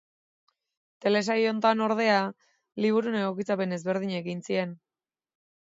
Telesail honetan, ordea, liburuaren egokitzapen ezberdinak egin ziren.